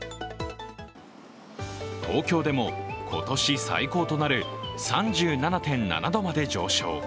東京でも、今年最高となる３７．７度まで上昇。